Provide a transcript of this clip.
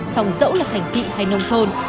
sòng dẫu là thành phị hay nông thôn